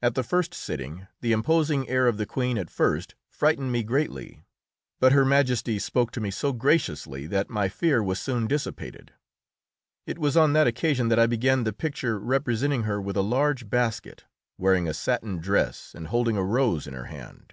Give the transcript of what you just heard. At the first sitting the imposing air of the Queen at first frightened me greatly, but Her Majesty spoke to me so graciously that my fear was soon dissipated. It was on that occasion that I began the picture representing her with a large basket, wearing a satin dress, and holding a rose in her hand.